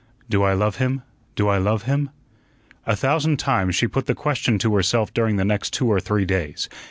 "Do I love him? Do I love him?" A thousand times she put the question to herself during the next two or three days.